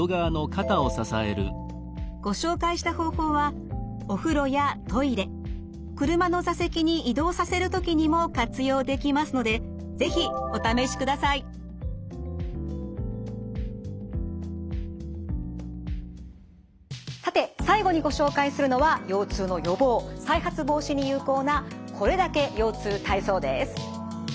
ご紹介した方法はお風呂やトイレ車の座席に移動させる時にも活用できますのでさて最後にご紹介するのは腰痛の予防・再発防止に有効な「これだけ腰痛体操」です。